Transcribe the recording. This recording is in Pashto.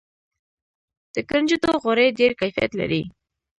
د کنجدو غوړي ډیر کیفیت لري.